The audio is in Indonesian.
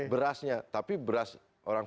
berasnya tapi beras orang